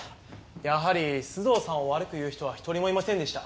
やはり須藤さんを悪く言う人は一人もいませんでした。